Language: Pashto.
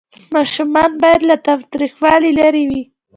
ماشومان باید له تاوتریخوالي لرې وي.